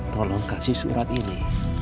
tolong kasih surat ini